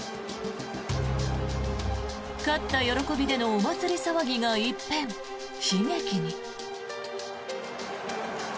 勝った喜びでのお祭り騒ぎが一変悲劇に。